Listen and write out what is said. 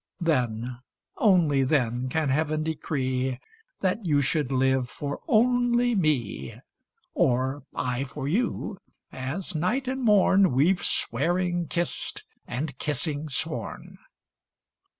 Then, only then can Heaven decree. That you should live for only me, Or I for you, as night and mom. We've swearing kist, and kissing sworn.